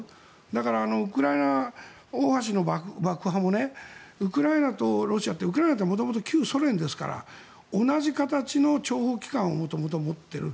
だから、クリミア大橋の爆破もウクライナとロシアってウクライナって元々、旧ソ連ですから同じ形の諜報機関を元々持っている。